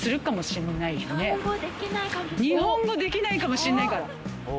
日本語できないかもしんないから。